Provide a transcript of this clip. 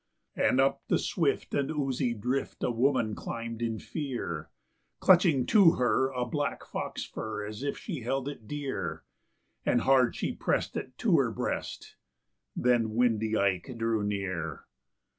And up the swift and oozy drift a woman climbed in fear, Clutching to her a black fox fur as if she held it dear; And hard she pressed it to her breast then Windy Ike drew near.